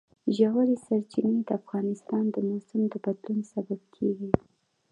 ژورې سرچینې د افغانستان د موسم د بدلون سبب کېږي.